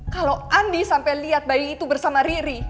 kalau andi sampai lihat bayi itu bersama riri